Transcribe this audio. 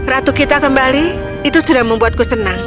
ratu kita kembali itu sudah membuatku senang